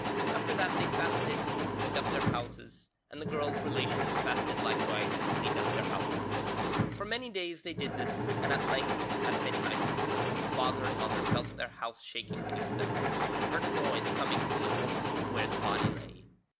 After that they fasted and cleaned up their houses, and the girl's relations fasted likewise and cleaned up their houses. For many days they did this, and at length, at midnight, the father and mother felt their house shaking beneath them, and heard a noise coming from the room where the body lay.